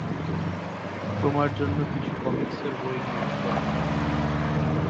তোমার জন্য কিছু কমিক্সের বই নিয়ে আসবো আমি।